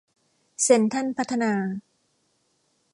เซ็นทรัลพัฒนา